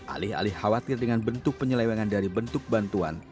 alih alih khawatir dengan bentuk penyelewengan dari bentuk bantuan